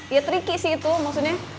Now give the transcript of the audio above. ya tricky sih itu maksudnya